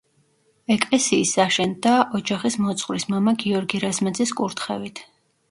ეკლესიის აშენდა ოჯახის მოძღვრის მამა გიორგი რაზმაძის კურთხევით.